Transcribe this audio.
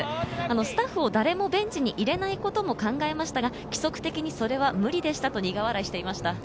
スタッフを誰もベンチに入れないことも考えましたが、規則的にそれは無理でしたと苦笑いしていました。